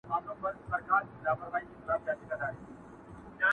دوه او درې ځله غوټه سو په څپو کي،